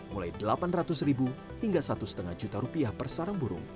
mulai delapan ratus ribu hingga satu lima juta rupiah per sarang burung